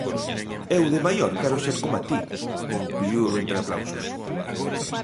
"Eu de maior quero ser coma ti", concluíu entre aplausos.